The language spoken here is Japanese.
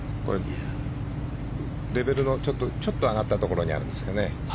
レベルのちょっと上がったところにあるんですかね。